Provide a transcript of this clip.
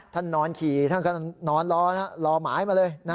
นอนขี่ท่านก็นอนรอหมายมาเลย